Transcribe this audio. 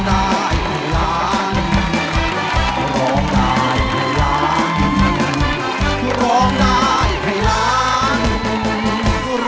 สวัสดีค่ะ